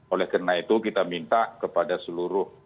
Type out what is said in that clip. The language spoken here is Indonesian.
oleh karena itu kita minta kepada seluruh